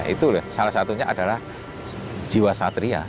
itu loh salah satunya adalah jiwa satria